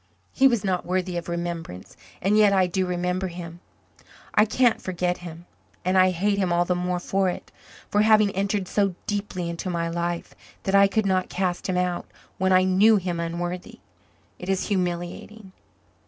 He was not worthy of remembrance and yet I do remember him. I can't forget him and I hate him all the more for it for having entered so deeply into my life that I could not cast him out when I knew him unworthy. It is humiliating.